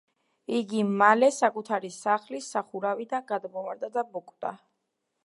იგი მალე საკუთარი სახლის სახურავიდან გადმოვარდა და მოკვდა.